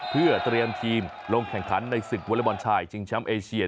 เพื่อเตรียมทีมลงแข่งขันในศึกวอเล็กบอลชายชิงแชมป์เอเชีย